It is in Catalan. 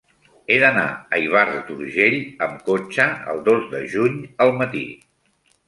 He d'anar a Ivars d'Urgell amb cotxe el dos de juny al matí.